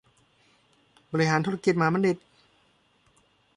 บริหารธุรกิจมหาบัณฑิต